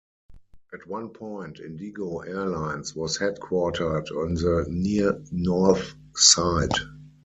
At one point Indigo Airlines was headquartered on the Near North Side.